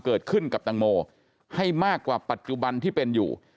เกิดขึ้นกับตังโมให้มากกว่าปัจจุบันที่เป็นอยู่